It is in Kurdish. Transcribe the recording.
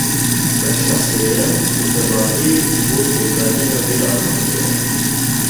Beşa sêyem bi tevahî ji bo pêkanîna vê armancê ye